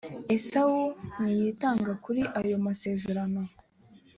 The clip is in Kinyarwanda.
esawu ntiyitaga kuri ayo masezerano